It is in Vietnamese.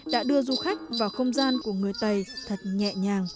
đã đưa du khách vào không gian của người tây thật nhẹ nhàng sâu lắng